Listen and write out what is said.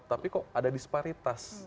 tapi kok ada disparitas